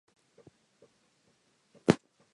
All the large windows have keystones with cherubs' heads.